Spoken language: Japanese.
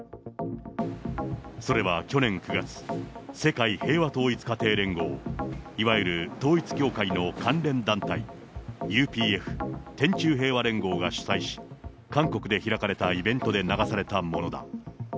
それは去年９月、世界平和統一家庭連合、いわゆる統一教会の関連団体、ＵＰＦ・天宙平和連合が主催し、韓国で開かれたイベントで流されたものだ。